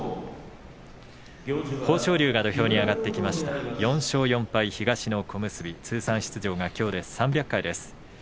豊昇龍が土俵に上がってきました４勝４敗、東の小結通算出場がきょうで３００回です。